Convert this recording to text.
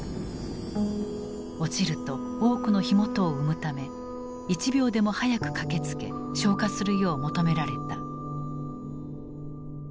落ちると多くの火元を生むため一秒でも早く駆けつけ消火するよう求められた。